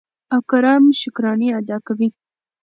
او کرم شکرانې ادا کوي.